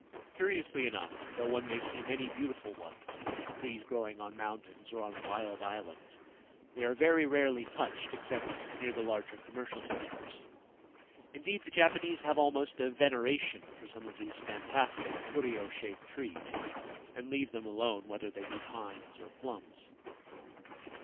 Curiously enough, though one may see many beautiful ones, trees growing on mountains or on wild islands, they are very rarely touched except near the larger commercial centres. Indeed, the Japanese have almost a veneration for some of these fantastic furyo shaped trees, and leave them alone, whether they be pines or plums.